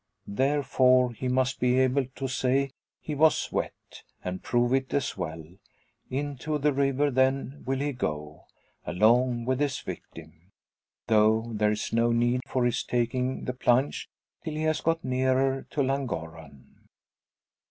Therefore he must be able to say he was wet, and prove it as well. Into the river, then, will he go, along with his victim; though there is no need for his taking the plunge till he has got nearer to Llangorren.